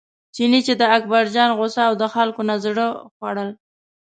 چیني چې د اکبرجان غوسه او د خلکو نه زړه خوړل.